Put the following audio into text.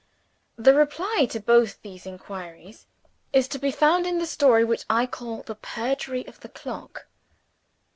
The reply to both these inquiries is to be found in the story which I call the Perjury of the Clock.